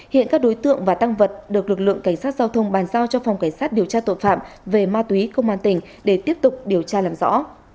hiện các đối tượng và tăng vật được lực lượng cảnh sát giao thông bàn giao cho phòng cảnh sát điều tra tội phạm về ma túy công an tỉnh để tiếp tục điều tra làm rõ